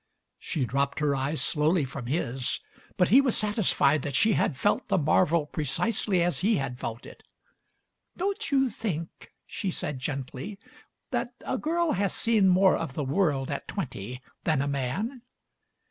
She dropped her eyes slowly from his, but he was satisfied that she had felt the marvel precisely as he had felt it. "Don't you think," she said gently, "that a girl has seen more of the world at twenty than a man?"